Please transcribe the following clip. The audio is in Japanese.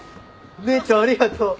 姉ちゃんありがとう。